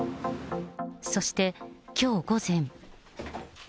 そしてきょう午前。